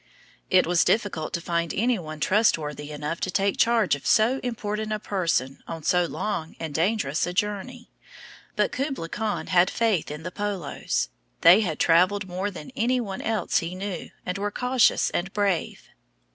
It was difficult to find any one trustworthy enough to take charge of so important a person on so long and dangerous a journey. But Kublai Khan had faith in the Polos. They had traveled more than any one else he knew, and were cautious and brave.